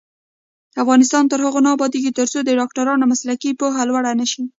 افغانستان تر هغو نه ابادیږي، ترڅو د ډاکټرانو مسلکي پوهه لوړه نشي.